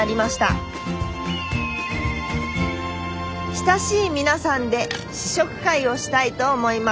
「親しい皆さんで試食会をしたいと思います」。